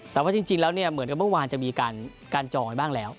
แต่ว่าจริงแล้วเนี่ยเหมือนกับเมื่อวานจะมีการจองไว้บ้างแล้ว